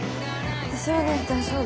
私はね大丈夫。